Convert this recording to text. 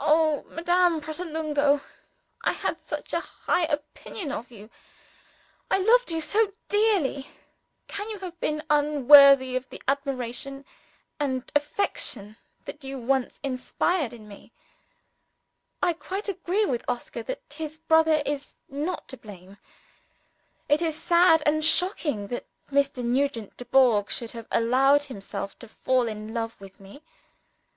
Oh, Madame Pratolungo! I had such a high opinion of you, I loved you so dearly can you have been unworthy of the admiration and affection that you once inspired in me? I quite agree with Oscar that his brother is not to blame. It is sad and shocking that Mr. Nugent Dubourg should have allowed himself to fall in love with me.